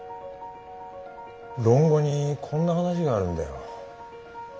「論語」にこんな話があるんだよ。